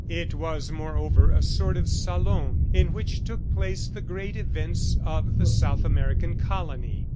It was, moreover, a sort of salon in which took place the great events of the South American colony.